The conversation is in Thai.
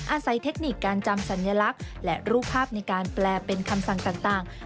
เทคนิคการจำสัญลักษณ์และรูปภาพในการแปลเป็นคำสั่งต่าง